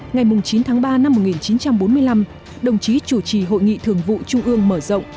ngày chín tháng ba năm một nghìn chín trăm bốn mươi năm đồng chí chủ trì hội nghị thường vụ trung ương mở rộng